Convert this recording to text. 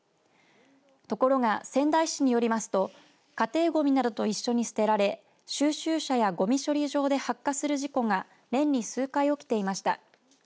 ところが、仙台市によりますと家庭ごみなどと一緒に捨てられ収集車やごみ処理場で発火する事故が年に数回、起きていました。